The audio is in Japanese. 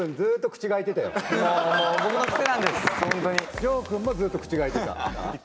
ＪＯ君もずっと口が開いてた。